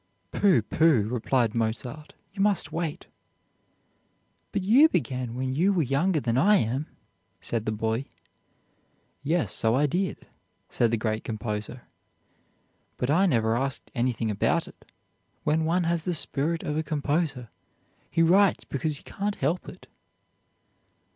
"Pooh, pooh," replied Mozart, "you must wait." "But you began when you were younger than I am," said the boy. "Yes, so I did," said the great composer, "but I never asked anything about it. When one has the spirit of a composer, he writes because he can't help it."